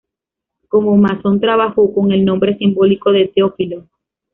Como masón trabajó con el nombre simbólico de "Teófilo".